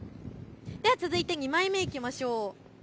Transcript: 続いて２枚目いきましょう。